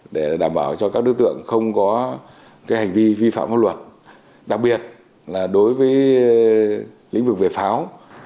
để đảm bảo cho các đối tượng không có hành vi vi phạm pháp luật đặc biệt là đối với lĩnh vực về pháo